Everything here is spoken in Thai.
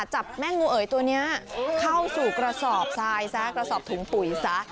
จับแม่งูเอ๋ยตัวนี้เข้าสู่กระสอบทุ่งปุ๋ยซะ